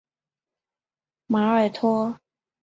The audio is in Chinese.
马尔托。